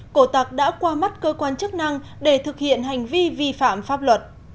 cổ tạc đã qua mắt cơ quan chức năng để thực hiện hành vi vi phạm pháp luật